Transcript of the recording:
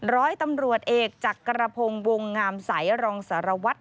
ร้อยตำรวจเอกจากกระพงวงงามสายรองสารวัติ